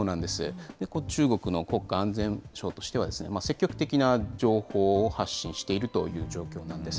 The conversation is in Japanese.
中国の国家安全省としては、積極的な情報を発信しているという状況なんです。